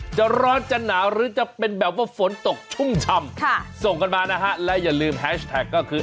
จะร้อนจะหนาวหรือจะเป็นแบบว่าฝนตกชุ่มชำส่งกันมานะฮะและอย่าลืมแฮชแท็กก็คือ